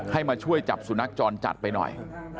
มาช่วยจับสุนัขจรจัดไปหน่อย